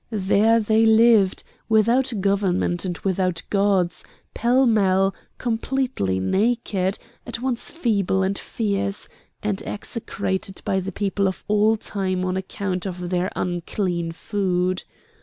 There they lived, without government and without gods, pell mell, completely naked, at once feeble and fierce, and execrated by the people of all time on account of their unclean food.